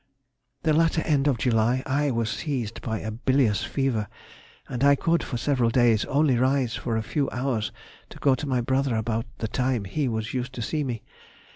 The latter end of July I was seized by a bilious fever, and I could for several days only rise for a few hours to go to my brother about the time he was used to see me.